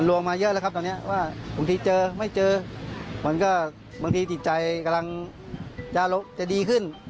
ว่าบางทีเจอไม่เจอมันก็บางทีจิตใจกำลังยาลุกจะดีขึ้น